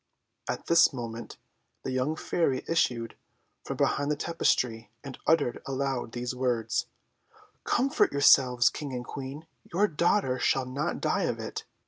At this moment the young Fairy issued from behind the tapestry, and uttered aloud these words: "Comfort yourselves, King and Queen your daughter shall not die of it.